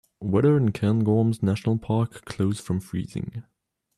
Weather in Cairngorms-Nationalpark close from freezing